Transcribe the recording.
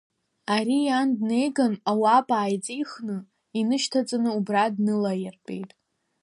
Ари иан днеиган, ауапа ааиҵихны инышьҭаҵаны, убра днылаиртәеит.